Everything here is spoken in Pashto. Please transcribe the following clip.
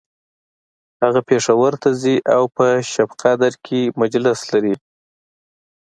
هغه پیښور ته ځي او په شبقدر کی مجلس لري